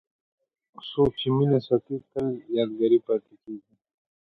څوک چې مینه ساتي، تل یادګاري پاتې کېږي.